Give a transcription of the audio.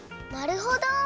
なるほど！